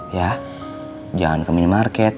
ya jangan ke minimarket